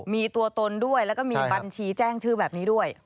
มีตัวตนด้วยแล้วก็มีบัญชีแจ้งชื่อแบบนี้ด้วย